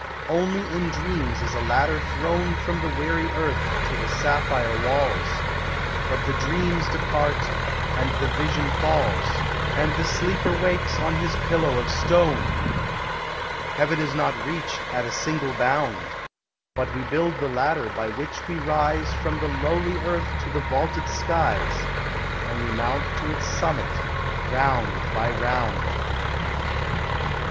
Only in dreams is a ladder thrown From the weary earth to the sapphire walls; But the dreams depart, and the vision falls, And the sleeper wakes on his pillow of stone. Heaven is not reached at a single bound; But we build the ladder by which we rise From the lowly earth to the vaulted skies, And we mount to its summit, round by round.